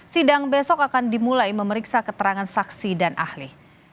sidang besok akan dimulai memeriksa keterangan saksi dan ahli